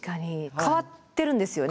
変わってるんですよね？